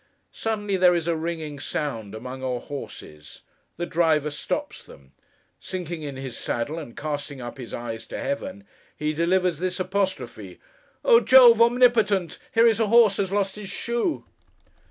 Suddenly, there is a ringing sound among our horses. The driver stops them. Sinking in his saddle, and casting up his eyes to Heaven, he delivers this apostrophe, 'Oh Jove Omnipotent! here is a horse has lost his shoe!